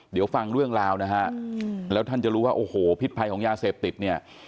เดี๋ยวฟังเรื่องราวนะฮะแล้วท่านจะรู้ว่าโอ้โหพิษภัยของยาเสพติดเนี่ย